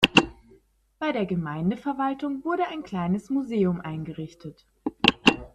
Bei der Gemeindeverwaltung wurde ein kleines Museum eingerichtet.